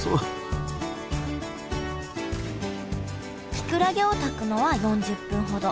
きくらげを炊くのは４０分ほど。